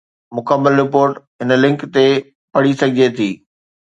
مڪمل رپورٽ هن لنڪ تي پڙهي سگهجي ٿي